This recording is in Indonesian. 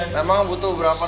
memang butuh berapa duit sih